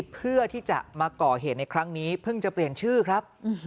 เพื่อที่จะมาก่อเหตุในครั้งนี้เพิ่งจะเปลี่ยนชื่อครับ